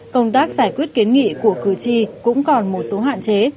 công tác giải quyết kiến nghị của cử tri cũng còn một số hạn chế